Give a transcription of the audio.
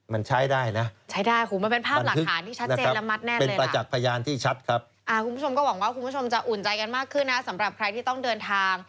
มันใช้ได้นะ